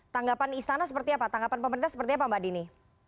tanggapan istana seperti apa tanggapan pemerintah seperti apa mbak dini